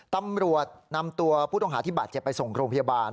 ตำรวจนำตัวผู้ต้องหาที่บาดเจ็บไปส่งโรงพยาบาล